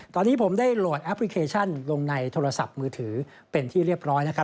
ตอนนี้ผมได้โหลดแอปพลิเคชันลงในโทรศัพท์มือถือเป็นที่เรียบร้อยนะครับ